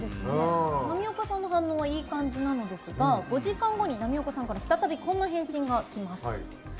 浪岡さんの反応はいい感じなのですが、５時間後に浪岡さんから再びこんな返信がきます。